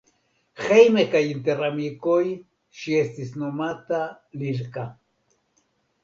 Hejme kaj inter amikoj ŝi estis nomata Lilka.